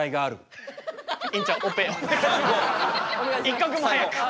一刻も早く。